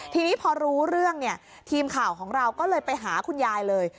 ทีนี้พอรู้เรื่องเนี่ยทีมข่าวของเราก็เลยไปหาคุณยายเลย